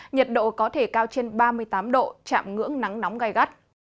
nhiệt độ có thể cao trên ba mươi tám độ chạm ngưỡng nắng nóng gai gắt